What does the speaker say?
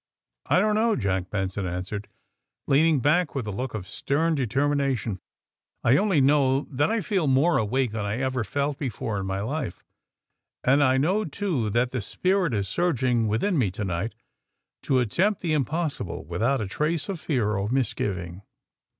I don't know," Jack Benson an swered, leaning back with a look of stern deter mination. *'I only know that I feel more awake than I ever felt before in my life. And I know, too, that the spirit is surging within me to night to attempt the impossible without a trace of fear or misgiving.